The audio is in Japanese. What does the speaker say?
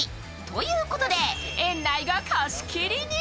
ということで、園内が貸し切りに。